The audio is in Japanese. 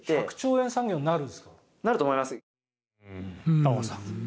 玉川さん。